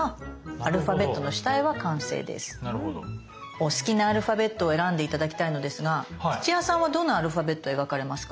お好きなアルファベットを選んで頂きたいのですが土屋さんはどのアルファベット描かれますか？